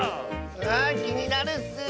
あきになるッス。